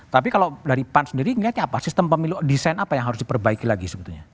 tapi kalau dari pan sendiri melihatnya apa sistem pemilu desain apa yang harus diperbaiki lagi sebetulnya